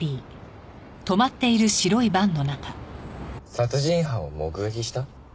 殺人犯を目撃した？